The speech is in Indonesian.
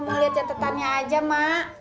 mau liat catetannya aja mak